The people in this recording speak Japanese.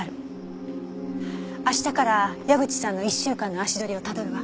明日から矢口さんの１週間の足取りをたどるわ。